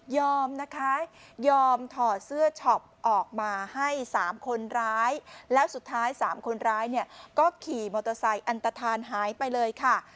นะคะยอมถอดเสื้อช็อปออกมาให้๓คนร้ายแล้วสุดท้าย๓คนร้ายเนี่ยก็ขี่มอเตอร์ไซค์อันตฐานหายไปเลยค่ะ